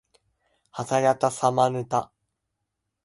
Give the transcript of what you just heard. はたやたさまぬた